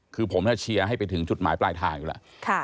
คือผมเชียร์ให้ไปถึงจุดหมายปลายทางอยู่แล้ว